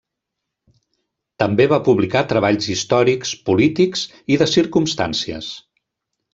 També va publicar treballs històrics, polítics, i de circumstàncies.